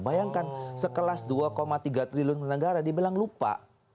bayangkan sekelas dua tiga triliun negara dibilang lupa